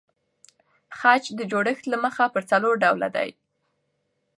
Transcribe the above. خج د جوړښت له مخه پر څلور ډوله دئ.